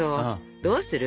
どうする？